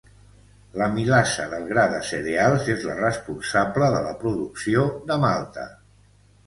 L'amilasa del gra de cereals és la responsable de la producció de malta.